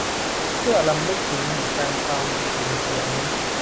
เพื่อรำลึกถึงเหตุการณ์ความศูนย์เสียนี้